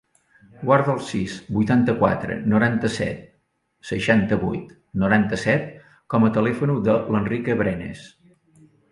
Guarda el sis, vuitanta-quatre, noranta-set, seixanta-vuit, noranta-set com a telèfon de l'Enrique Brenes.